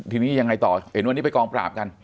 ทีนี้ยังไงต่อเห็นวันนี้ไปกองปราบกัน